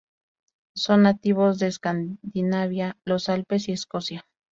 Son nativos de Escandinavia, los Alpes y Escocia.